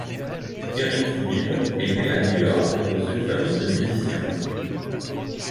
Eric Bibb est né à New York dans une famille de musiciens.